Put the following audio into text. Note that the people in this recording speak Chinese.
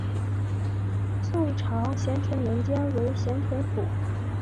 宋朝咸淳年间为咸淳府。